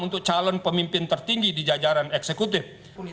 untuk calon pemimpin tertinggi di jajaran eksekutif